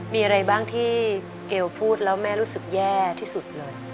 มีอะไรบ้างที่เกลพูดแล้วแม่รู้สึกแย่ที่สุดเลย